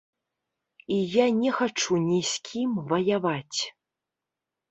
І я не хачу ні з кім ваяваць.